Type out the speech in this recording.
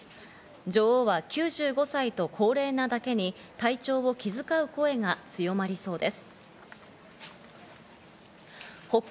女王は９５歳と高齢なだけに体調を気づかう声が強まりそうです。